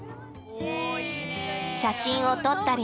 写真を撮ったり。